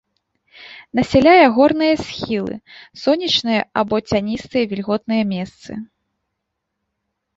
Насяляе горныя схілы, сонечныя або цяністыя вільготныя месцы.